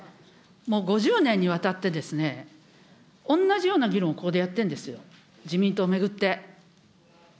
もう５０年にわたってですね、同じような議論、ここでやってるんですよ、自民党巡って。